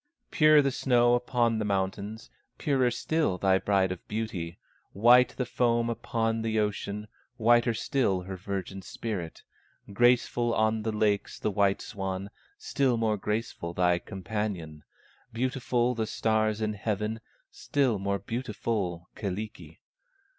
Pure the snow upon the mountains, Purer still thy Bride of Beauty; White the foam upon the ocean, Whiter still her virgin spirit; Graceful on the lakes, the white swan, Still more graceful, thy companion; Beautiful the stars in heaven, Still more beautiful, Kyllikki.